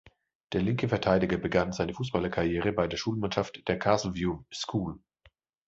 Der linke Verteidiger begann seine Fußballerkarriere bei der Schulmannschaft der Castle View School.